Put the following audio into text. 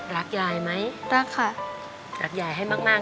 รักยายไหมรักค่ะรักยายให้มากมาก